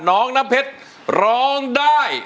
น้องน้ำเพชรร้องได้